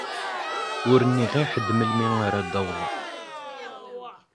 Ur nniɣ i ḥedd melmi ara d-awḍeɣ.